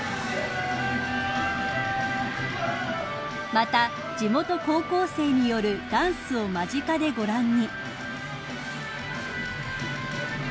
［また地元高校生によるダンスを間近でご覧に］